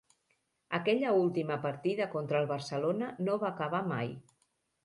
Aquella última partida contra el Barcelona no va acabar mai.